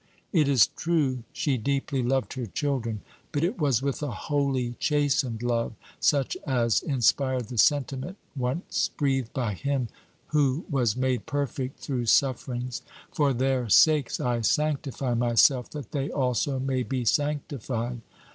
It is true, she deeply loved her children; but it was with a holy, chastened love, such as inspired the sentiment once breathed by Him "who was made perfect through sufferings." "For their sakes I sanctify myself, that they also may be sanctified."